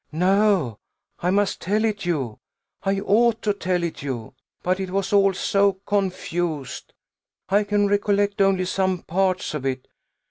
"No; I must tell it you. I ought to tell it you. But it was all so confused, I can recollect only some parts of it.